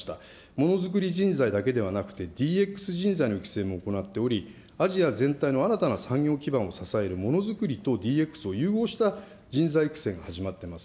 ものづくり人材だけではなくて、ＤＸ人材の育成も行っており、アジア全体の新たな産業基盤を支えるものづくりとＤＸを融合した人材育成が始まってます。